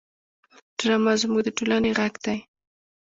ډرامه زموږ د ټولنې غږ دی